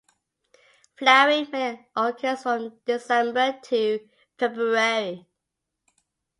Flowering mainly occurs from December to February.